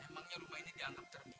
emangnya rumah ini dianggap jernih